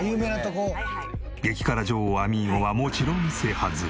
激辛女王アミーゴはもちろん制覇済み。